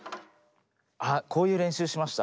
あっこういう練習しました。